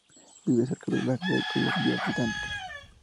Vive cerca de Langley, Columbia Británica.